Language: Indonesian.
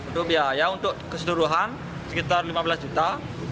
untuk biaya untuk keseluruhan sekitar lima belas juta